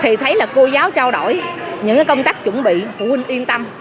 thì thấy là cô giáo trao đổi những công tác chuẩn bị phụ huynh yên tâm